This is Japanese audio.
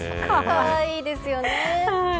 かわいいですよね。